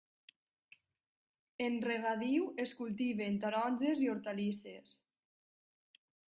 En regadiu es cultiven taronges i hortalisses.